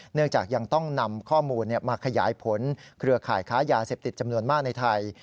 เนื่องจากยังต้องนำข้อมูลมาขยายผลเครือข่ายค้ายาเสพติดจำนวนมากในไทย